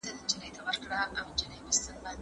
تاسي د پرمختګ په لاره کي ثابت قدم اوسئ.